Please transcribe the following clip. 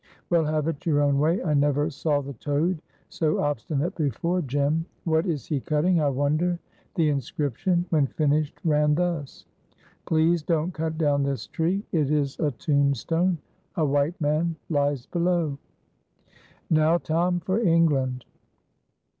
"Well, have it your own way. I never saw the toad so obstinate before, Jem. What is he cutting, I wonder?" The inscription, when finished, ran thus: "PLEASE DON'T CUT DOWN THIS TREE. "IT IS A TOMBSTONE. "A WHITE MAN LIES BELOW." "Now, Tom, for England!"